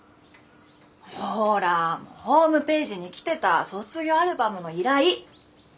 ほらホームページに来てた卒業アルバムの依頼。